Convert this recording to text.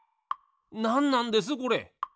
なんなんですこれ？